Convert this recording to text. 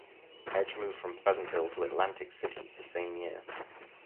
Edge moved from Pleasantville to Atlantic City the same year.